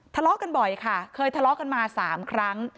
ทะเลาะกันบ่อยค่ะเคยทะเลาะกันมา๓ครั้ง